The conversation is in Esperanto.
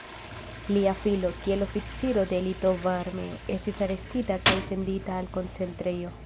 Lia filo, kiel oficiro de litova armeo, estis arestita kaj sendita al koncentrejo.